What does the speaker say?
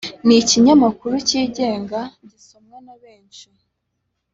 ni ikinyamakuru cyigenga gisomwa na benshi